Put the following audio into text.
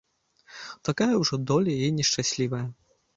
Такая ўжо доля яе нешчаслівая.